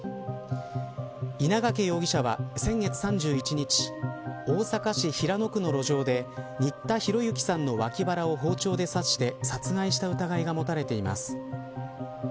稲掛容疑者は先月３１日大阪市平野区の路上で新田浩之さんの脇腹を包丁で刺して殺害した疑いが持たれています。